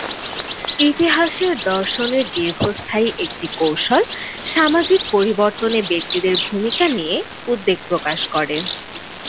ইতিহাসের দর্শনের দীর্ঘস্থায়ী একটি কৌশল সামাজিক পরিবর্তনে ব্যক্তিদের ভূমিকা নিয়ে উদ্বেগ প্রকাশ করে।